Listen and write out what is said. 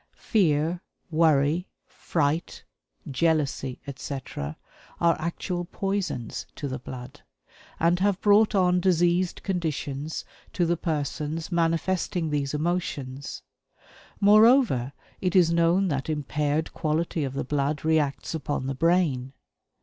Fear, worry, fright, jealousy, etc., are actual poisons to the blood, and have brought on diseased conditions to the persons manifesting these emotions. Moreover, it is known that impaired quality of the blood reacts upon the brain.